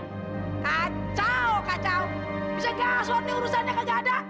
kacau kacau bisa gak asuh ini urusannya gak ada